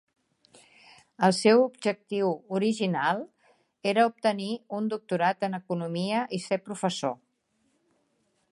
El seu objectiu original era obtenir un doctorat en Economia i ser professor.